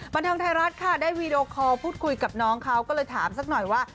บันเทิงไทยรัฐค่ะได้วีดีโอคอลพูดคุยกับน้องเขาก็เลยถามสักหน่อยว่า